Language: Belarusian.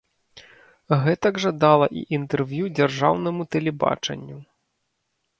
Гэтак жа дала і інтэрв'ю дзяржаўнаму тэлебачанню.